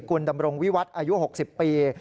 คุณดำรงวิวัฒน์อายุ๖๐ปี